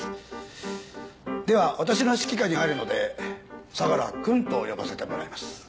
では私の指揮下に入るので相良くんと呼ばせてもらいます。